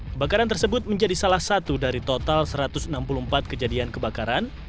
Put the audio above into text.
kebakaran tersebut menjadi salah satu dari total satu ratus enam puluh empat kejadian kebakaran